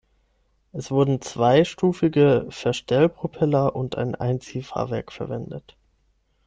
Es wurden zweistufige Verstellpropeller und ein Einziehfahrwerk verwendet.